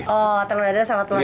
oh telur dadar sama telur ceplok